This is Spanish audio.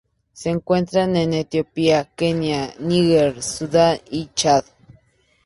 Se encuentra en Etiopía, Kenia, Níger, Sudán y el Chad.